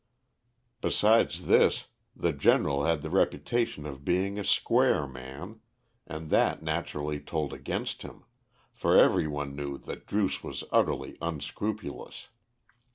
Besides this, the General had the reputation of being a "square" man, and that naturally told against him, for every one knew that Druce was utterly unscrupulous.